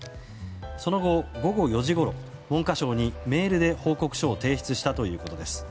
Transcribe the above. その後、午後４時ごろ文科省にメールで報告書を提出したということです。